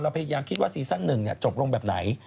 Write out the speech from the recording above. เราพยายามคิดว่าซีซั่นหนึ่งเนี่ยจบลงแบบไหน